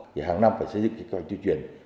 vì vậy hàng năm phải xây dựng các ngành tuyên truyền